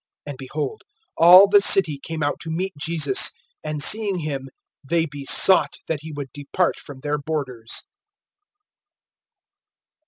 (34)And, behold, all the city came out to meet Jesus; and seeing him, they besought that he would depart from their borders.